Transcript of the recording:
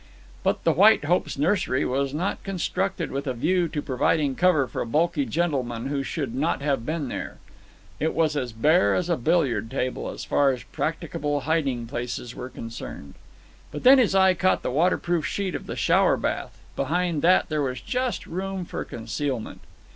But the White Hope's nursery was not constructed with a view to providing cover for bulky gentlemen who should not have been there. It was as bare as a billiard table as far as practicable hiding places were concerned. And then his eye caught the water proof sheet of the shower bath. Behind that there was just room for concealment.